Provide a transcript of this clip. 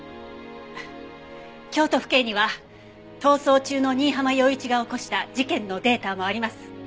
京都府警には逃走中の新浜陽一が起こした事件のデータもあります。